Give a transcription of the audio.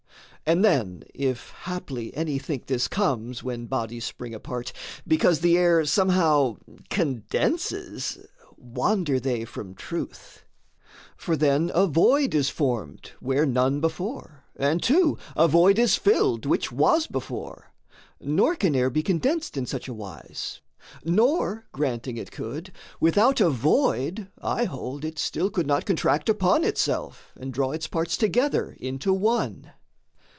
And then, if haply any think this comes, When bodies spring apart, because the air Somehow condenses, wander they from truth: For then a void is formed, where none before; And, too, a void is filled which was before. Nor can air be condensed in such a wise; Nor, granting it could, without a void, I hold, It still could not contract upon itself And draw its parts together into one.